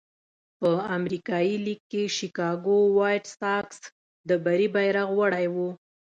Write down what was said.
په امریکایي لېګ کې شکاګو وایټ ساکس د بري بیرغ وړی وو.